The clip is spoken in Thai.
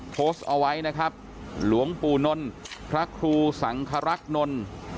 โพสต์เอาไว้นะครับหลวงปู่นนท์พระครูสังครักษ์นล